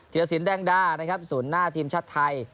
ธิราศิลป์แดงดาสูญหน้าทีมชาติไทย